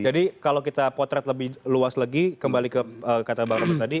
jadi kalau kita potret lebih luas lagi kembali ke kata bang robert tadi